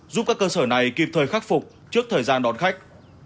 giúp các cơ sở này kịp thời khắc phục trước thời gian đón khách